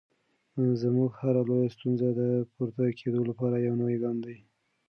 زموږ هره لویه ستونزه د پورته کېدو لپاره یو نوی ګام دی.